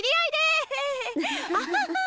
アハハハ。